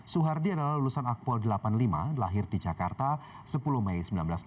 suhardi adalah lulusan akpol delapan puluh lima lahir di jakarta sepuluh mei seribu sembilan ratus enam puluh